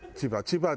千葉。